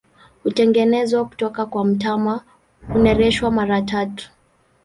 Hutengenezwa kutoka kwa mtama, hunereshwa mara tatu.